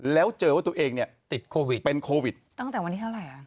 แล้วเจอว่าตัวเองเนี่ยติดโควิดเป็นโควิดตั้งแต่วันที่เท่าไหร่อ่ะ